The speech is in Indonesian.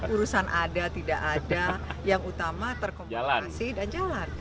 urusan ada tidak ada yang utama terkomunikasi dan jalan